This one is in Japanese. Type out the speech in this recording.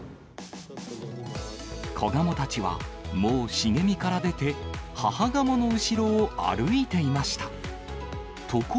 子ガモたちは、もう茂みから出て母ガモの後ろを歩いていました。